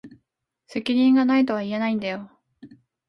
責任が無いとは言えないんだよ。